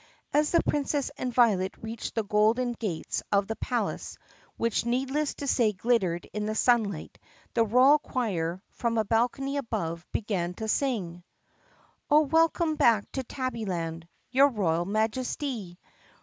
As the Princess and Violet reached the golden gates of the palace, which needless to say glittered in the sunlight, the royal choir, from a balcony above, began to sing : "Oh, welcome back to Tabbyland, Your royal Majestee!